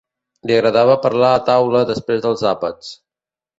Li agradava parlar a taula després dels àpats.